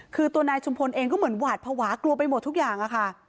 คือตัวนายชุมพลเองก็เหมือนหวาดภาวะกลัวไปหมดทุกอย่างอะค่ะ